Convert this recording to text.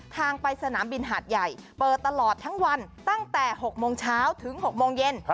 ทางไปสนามบินหาดใหญ่เปิดตลอดทั้งวันตั้งแต่๖โมงเช้าถึง๖โมงเย็น